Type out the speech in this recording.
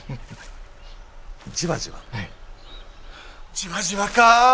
じわじわか！